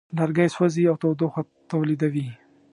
لرګی سوځي او تودوخه تولیدوي.